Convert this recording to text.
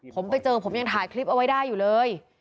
ผมไปเจอผมยังถ่ายคลิปเอาไว้ได้อยู่เลย